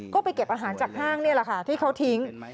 ก็ไปเก็บอาหารจากห้างนี่แหละค่ะที่เขาทิ้ง